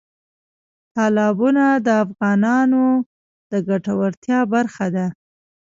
تالابونه د افغانانو د ګټورتیا برخه ده.